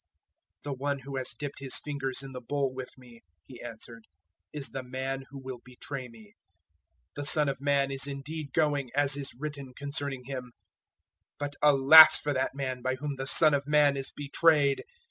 026:023 "The one who has dipped his fingers in the bowl with me," He answered, "is the man who will betray me. 026:024 The Son of Man is indeed going as is written concerning Him; but alas for that man by whom the Son of Man is betrayed!